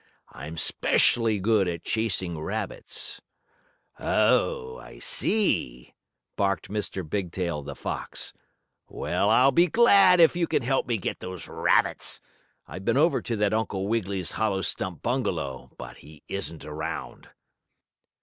I'm 'specially good at chasing rabbits." "Oh, I see!" barked Mr. Bigtail, the fox. "Well, I'll be glad if you can help me get those rabbits. I've been over to that Uncle Wiggily's hollow stump bungalow, but he isn't around."